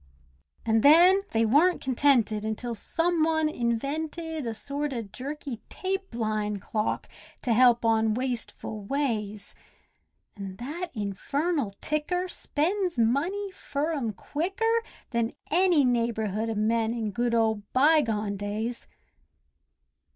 An' then they wer'n't contented until some one invented A sort o' jerky tape line clock, to help on wasteful ways. An' that infernal ticker spends money fur 'em quicker Than any neighbourhood o' men in good old bygone days.